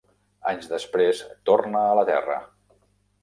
Anys després, torna a la Terra.